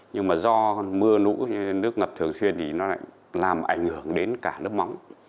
nhưng mà do mưa lũ nước ngập thường xuyên thì nó lại làm ảnh hưởng đến cả lớp móng